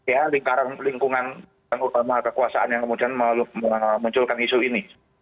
ya lingkungan penguatkuasaan yang kemudian melalui menunjukan isu ini